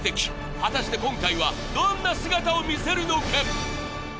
果たして今回はどんな姿を見せるのか？